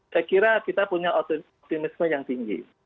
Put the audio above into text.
saya kira kita punya optimisme yang tinggi